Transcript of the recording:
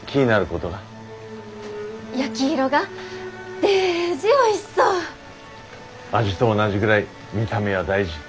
味と同じぐらい見た目は大事。